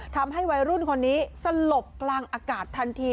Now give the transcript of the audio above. ทำให้วัยรุ่นคนนี้สลบกลางอากาศทันที